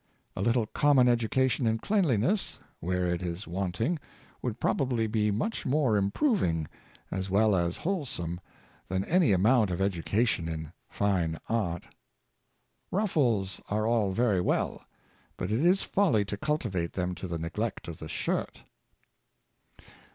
A little common education in cleanliness, where it is wanting, would probably be much more improving, as well as whole some, than any amount of education in fine art. Ruf fles are all very vv^ell, but it is folly to cultivate them to the neglect of the shirt.